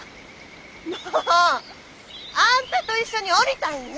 もう！あんたと一緒におりたいんよ！